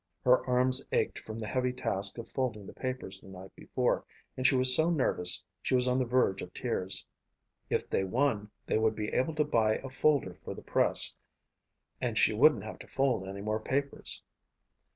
Her arms ached from the heavy task of folding the papers the night before and she was so nervous she was on the verge of tears. If they won they would be able to buy a folder for the press and she wouldn't have to fold any more papers.